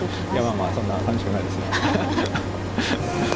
まあまあそんなさみしくないですよ。